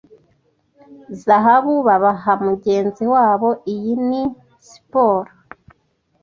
zahabu babaha mugenzi wabo Iyi ni siporo